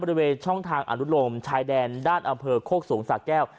บริเวณช่องทางอนุโลมชายแดนด้านอำเภอโคกสูงสะแก้ว